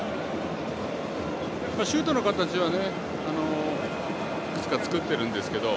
シュートの形はいくつか作っていますけど。